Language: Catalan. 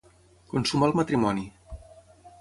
Consumar el matrimoni.